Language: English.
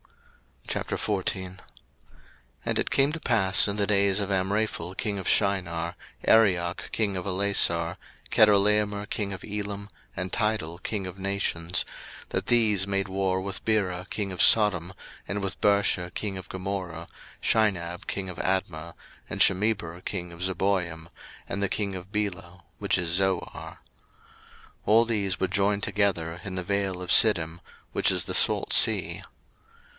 01:014:001 And it came to pass in the days of Amraphel king of Shinar, Arioch king of Ellasar, Chedorlaomer king of Elam, and Tidal king of nations; 01:014:002 That these made war with Bera king of Sodom, and with Birsha king of Gomorrah, Shinab king of Admah, and Shemeber king of Zeboiim, and the king of Bela, which is Zoar. 01:014:003 All these were joined together in the vale of Siddim, which is the salt sea.